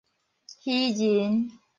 漁人